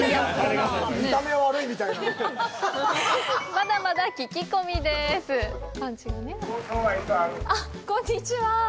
まだまだ聞き込みですあっこんにちは